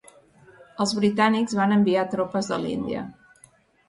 Els britànics van enviar tropes de l'Índia.